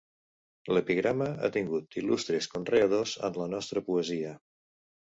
L'epigrama ha tingut il·lustres conreadors en la nostra poesia.